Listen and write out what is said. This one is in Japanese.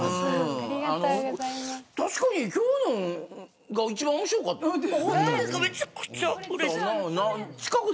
確かに今日のが一番面白かったで。